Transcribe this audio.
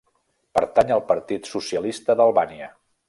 Pertany al Partit Socialista d'Albània.